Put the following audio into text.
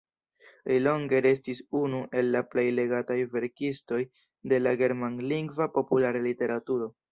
Li longe restis unu el la plej legataj verkistoj de la germanlingva populara literaturo.